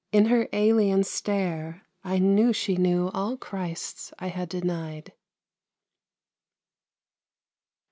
In her alien stare I knew she knew all Christs I had denied.